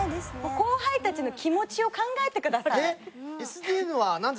後輩たちの気持ちを考えてください。